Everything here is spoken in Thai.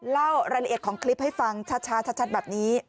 เล่ารายละเอียดของคลิปให้ฟังชัดแบบนี้